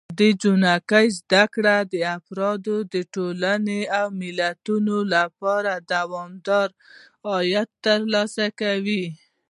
د نجونو زده کړه د افرادو، ټولنو او ملتونو لپاره دوامداره عاید ترلاسه کوي.